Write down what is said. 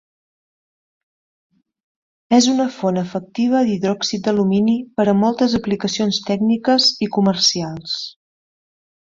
És una font efectiva d'hidròxid d'alumini per a moltes aplicacions tècniques i comercials.